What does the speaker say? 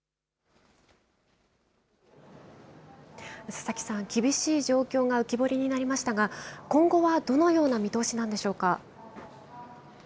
佐々木さん、厳しい状況が浮き彫りになりましたが、今後はどのような見通しなんでしょうか。